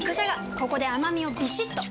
ここで甘みをビシッと！